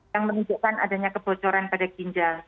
yang menunjukkan adanya kebocoran pada ginjal